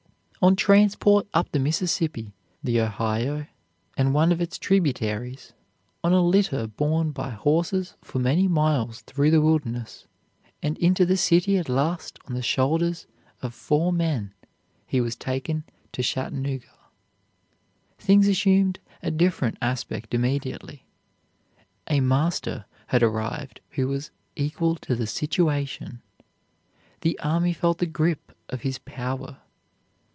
On transports up the Mississippi, the Ohio, and one of its tributaries; on a litter borne by horses for many miles through the wilderness; and into the city at last on the shoulders of four men, he was taken to Chattanooga. Things assumed a different aspect immediately. A master had arrived who was equal to the situation. The army felt the grip of his power.